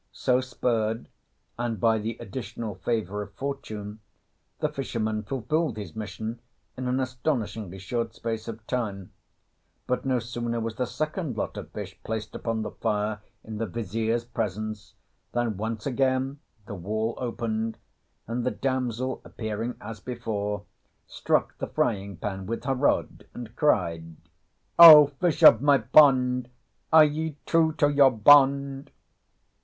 So spurred, and by the additional favour of fortune, the fisherman fulfilled his mission in an astonishingly short space of time; but no sooner was the second lot of fish placed upon the fire in the Vizier's presence than once again the wall opened, and the damsel, appearing as before, struck the frying pan with her rod, and cried "O fish of my pond, Are ye true to your bond?"